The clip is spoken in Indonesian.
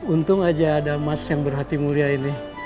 untung aja ada emas yang berhati mulia ini